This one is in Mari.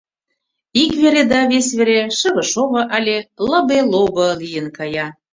Ик вере да вес вере шыве-шово але лыбе-лобо лийын кая.